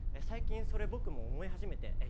最近それ僕も思い始めて。